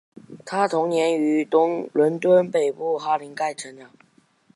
她童年于伦敦北部哈林盖成长。